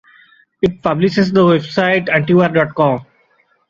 It publishes the website Antiwar dot com.